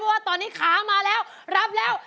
เพราะว่าตอนนี้ขามาแล้วรับแล้ว๔๐๐๐๐